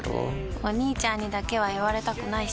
お兄ちゃんにだけは言われたくないし。